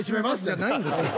じゃないんですよ。